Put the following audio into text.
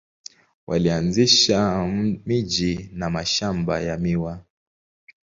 Walianzisha miji na mashamba ya miwa.